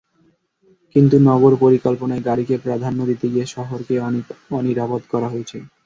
কিন্তু নগর পরিকল্পনায় গাড়িকে প্রাধান্য দিতে গিয়ে শহরকে অনিরাপদ করা হয়েছে।